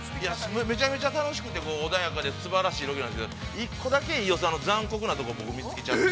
◆めちゃくちゃ楽しくて、穏やかですばらしいロケなんですけど、１個だけ、飯尾さんの残酷なところを僕見つけちゃって。